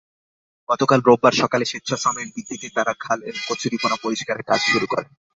গতকাল রোববার সকালে স্বেচ্ছাশ্রমের ভিত্তিতে তাঁরা খালের কচুরিপানা পরিষ্কারের কাজ শুরু করেন।